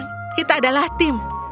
sekarang kita adalah tim